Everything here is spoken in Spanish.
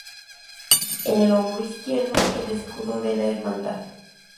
En el hombro izquierdo el escudo de la hermandad.